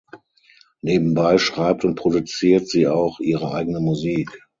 Nebenbei schreibt und produziert sie auch ihre eigene Musik.